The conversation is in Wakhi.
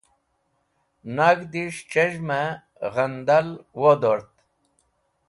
Nag̃hdis̃h c̃hez̃hmẽ ghendal wodord.